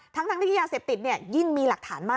ทั้งที่ยาเสพติดยิ่งมีหลักฐานมาก